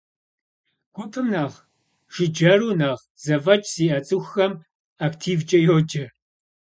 Гупым нэхъ жыджэру, нэхъ зэфӏэкӏ зиӏэ цӏыхухэм активкӏэ йоджэ.